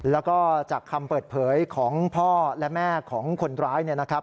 แล้วก็จากคำเปิดเผยของพ่อและแม่ของคนร้ายเนี่ยนะครับ